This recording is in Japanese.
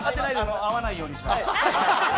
会わないようにしました。